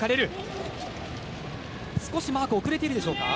少しマークが遅れているでしょうか。